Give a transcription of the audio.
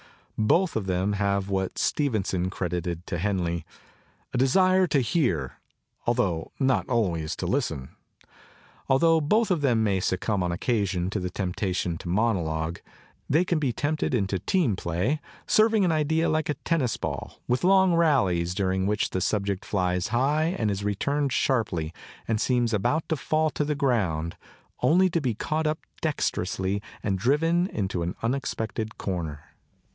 Both of them have what Stevenson credited to Henley, "a desire to hear, altho not always to listen." Altho both of them may succumb on occasion to the temp tation to monolog, they can be tempted into team play, serving an idea like a tennis ball, with long rallies, during which the subject iiiis high and is returned sharply and seems about to fall to tlu ground only to be caught up cl< ously and driven into an unexpected corner.